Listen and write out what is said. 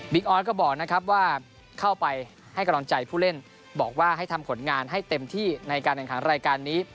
ออสก็บอกนะครับว่าเข้าไปให้กำลังใจผู้เล่นบอกว่าให้ทำผลงานให้เต็มที่ในการแข่งขันรายการนี้